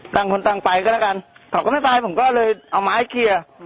ต่างคนต่างไปก็แล้วกันเขาก็ไม่ไปผมก็เลยเอาไม้เคลียร์